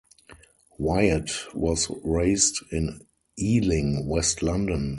Wyatt was raised in Ealing, West London.